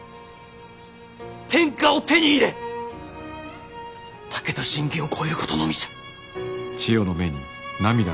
天下を手に入れ武田信玄を超えることのみじゃ。